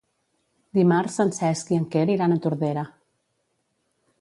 Dimarts en Cesc i en Quer iran a Tordera.